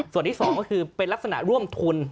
ส่วนที่๒ก็คือเป็นลักษณะร่วมทุน